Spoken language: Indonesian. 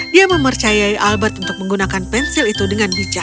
dia mempercayai albert untuk menggunakan pensil itu dengan bijak